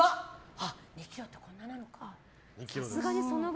２ｋｇってこんななのか。